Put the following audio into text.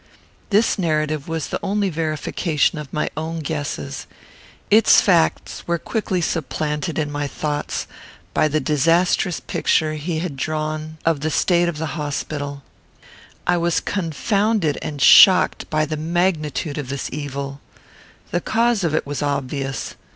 This narrative was only the verification of my own guesses. Its facts were quickly supplanted in my thoughts by the disastrous picture he had drawn of the state of the hospital. I was confounded and shocked by the magnitude of this evil. The cause of it was obvious.